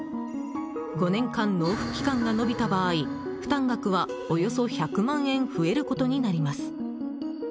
５年間納付期間が延びた場合負担額は、およそ１００万円増えることになります。